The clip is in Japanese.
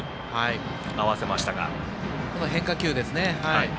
この変化球ですね。